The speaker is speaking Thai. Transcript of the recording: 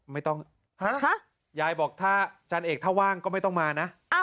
ไม่ต้องยัยบอกถ้าจันเอกท่าว่างก็ไม่ต้องมานะ